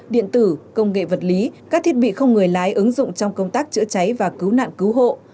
điện tử công nghệ vật lý các thiết bị không người lái ứng dụng trong công tác chữa cháy và cứu nạn cứu hộ